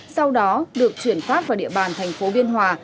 sau đó được chuyển phát vào địa bàn thành phố biên hòa